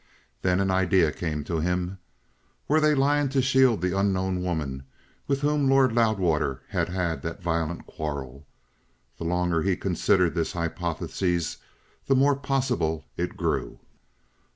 Then an idea came to him: were they lying to shield the unknown woman with whom Lord Loudwater had had that violent quarrel? The longer he considered this hypothesis the more possible it grew.